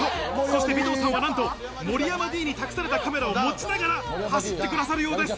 そして尾藤さんはなんと森山Ｄに託されたカメラを持ちながら走ってくださるようです。